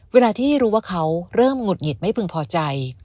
เวลาที่รู้ว่าเขาเริ่มหงุดหงิดไม่พึงพอใจ